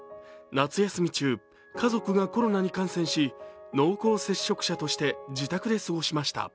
夏休み中、家族がコロナに感染し濃厚接触者として自宅で過ごしました。